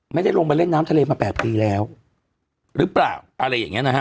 ไม่ได้ลงไปเล่นน้ำทะเลมา๘ปีแล้วหรือเปล่าอะไรอย่างเงี้นะฮะ